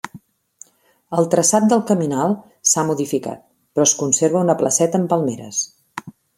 El traçat del caminal s’ha modificat, però es conserva una placeta amb palmeres.